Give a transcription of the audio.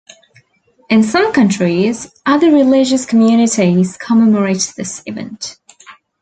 In some countries, other religious communities commemorate this event.